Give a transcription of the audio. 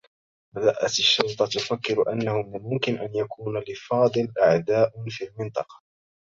بدأت الشّرطة تفكّر أنّه من الممكن أن يكون لفاضل أعداء في المنطقة.